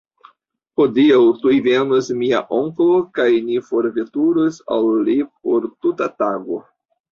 Hodiaŭ, tuj, venos mia onklo kaj ni forveturos al li por tuta tago.